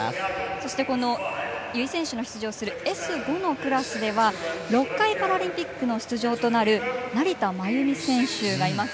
そして由井選手の出場するＳ５のクラスは６回パラリンピックの出場となる成田真由美選手がいます。